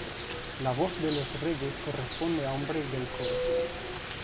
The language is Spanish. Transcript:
La voz de los Reyes corresponde a hombres del coro.